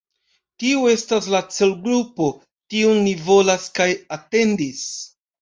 Tiu estas la celgrupo, tiun ni volas kaj atendis.